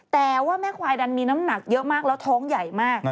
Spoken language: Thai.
แต่ว่าแม่ควายดันมีน้ำหนักเยอะมากแล้วท้องใหญ่มาก